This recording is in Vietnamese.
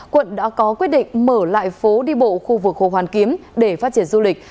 quận đã có quyết định mở lại phố đi bộ khu vực hồ hoàn kiếm để phát triển du lịch